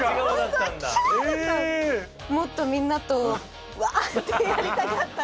もっとみんなとうわ！ってやりたかった。